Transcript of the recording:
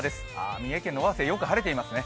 三重県の尾鷲、よく晴れていますね